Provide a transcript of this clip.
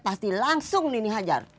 pasti langsung nini hajar